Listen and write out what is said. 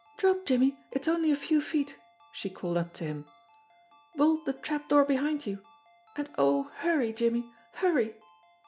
"Drop, Jimmie ; it's only a few feet," she called up to him. THE CAT'S PAW 153 "Bolt the trap door behind you. And, oh, hurry, Jimmie, hurry